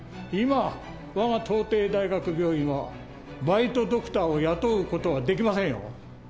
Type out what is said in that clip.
今我が東帝大学病院はバイトドクターを雇う事はできませんよ。